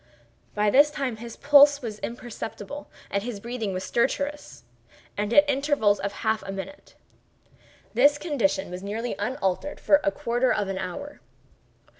By this time his pulse was imperceptible and his breathing was stertorous, and at intervals of half a minute. This condition was nearly unaltered for a quarter of an hour.